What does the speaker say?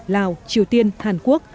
lào triều tiên hàn quốc